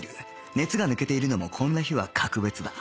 熱が抜けているのもこんな日は格別だ